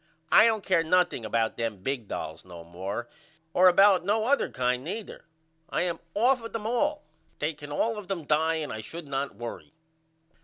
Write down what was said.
I don't care nothing about them big dolls no more or about no other kind neither. I am off of them all. They can all of them die and I should not worry.